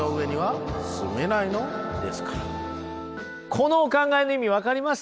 このお考えの意味分かります？